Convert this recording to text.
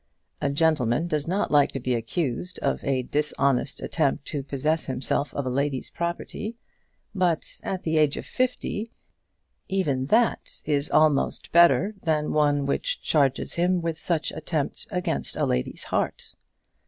A gentleman does not like to be accused of a dishonest attempt to possess himself of a lady's property; but, at the age of fifty, even that is almost better than one which charges him with such attempt against a lady's heart.